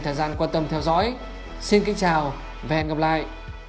hẹn gặp lại